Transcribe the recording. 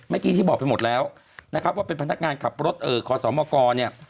เมื่อกี้ที่บอกไปหมดแล้วนะครับว่าเป็นพนักงานขับรถขอสมกรเนี่ย